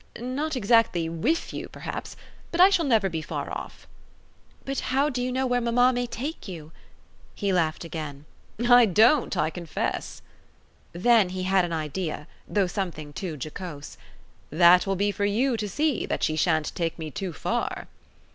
"Not exactly 'with' you perhaps; but I shall never be far off." "But how do you know where mamma may take you?" He laughed again. "I don't, I confess!" Then he had an idea, though something too jocose. "That will be for you to see that she shan't take me too far."